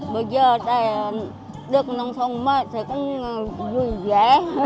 bây giờ được nông thôn mới con vui vẻ